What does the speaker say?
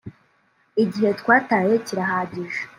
igihe twataye kirahagije